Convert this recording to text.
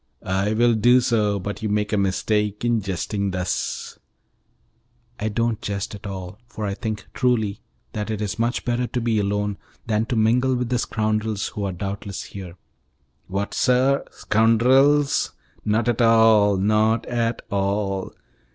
"I will do so, but you make a mistake in jesting thus." "I don't jest at all, for I think truly that it is much better to be alone than to mingle with the scoundrels who are doubtless here." "What, sir! scoundrels? Not at all, not at all.